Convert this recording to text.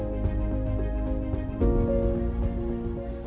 mengisi minat kecil kita